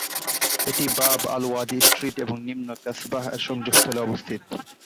এটি বাব আল-ওয়াদি স্ট্রিট এবং নিম্ন কাসবাহ-এর সংযোগস্থলে অবস্থিত।